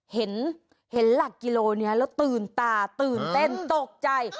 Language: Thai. เห็นหลักกิโลนี้แล้วตื่นตาตื่นเต้นตกใจ